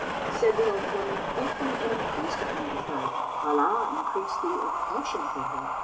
"[FN#133] Said the old woman, "Give me an increased account of her, Allah increase thee of passion for her!"